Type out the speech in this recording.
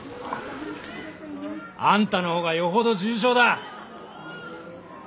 あんたの方がよほど重傷だ！